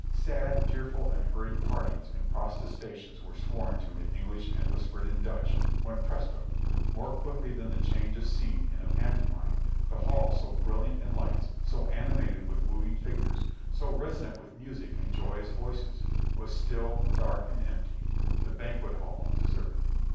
Sad, tearful and hurried partings and protestations were sworn to in English and whispered in Dutch, when presto ! more quickly than the change of scene in a pantomime the hall so brilliant in lights, so animated with moving figures, so resonant with music and joyous voices, was still, dark and empty ; the banquet hall deserted.